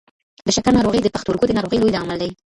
د شکر ناروغي د پښتورګو د ناروغۍ لوی لامل دی.